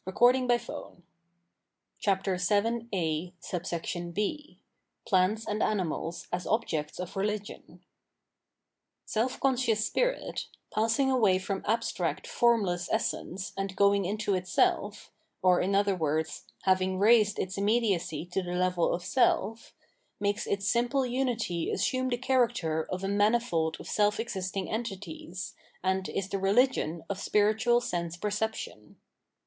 * Angels. t Cp. Ency.^ §389. h Plants and Animals as Objects of Religion* Self conscious spirit, passing away from abstract, formless Essence and going into itself — or, in other words, having raised its immediacy to the level of Self — makes its simple unity assume the character of a manifold of self existing entities, and is the Religion of spiritual Sense Perception.